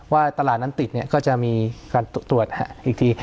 ว่าตลาดนั้นติดก็จะมีการตรวจอีกที